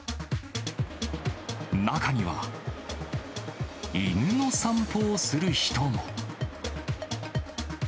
中には、犬の散歩をする人も。